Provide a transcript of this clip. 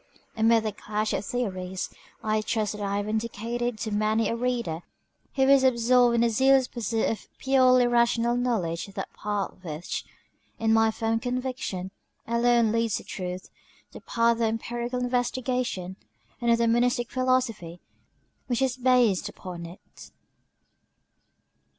Amid the clash of theories, I trust that I have indicated to many a reader who is absorbed in the zealous pursuit of purely rational knowledge that path which, it is my firm conviction, alone leads to the truth the path of empirical investigation and of the Monistic Philosophy which is based upon it.